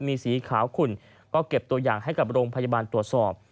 มีสีขาวขุ่นก็เก็บตัวอย่างให้กับโรงพยาบาลตรวจสอบ